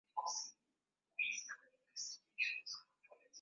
nguvu kubwa na hatimaye Uhuru ukapatikana kwa siku chache kabisa Kwenye mji huo